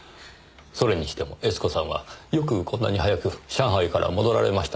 それにしても悦子さんはよくこんなに早く上海から戻られましたね。